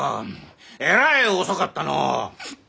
えらい遅かったのう！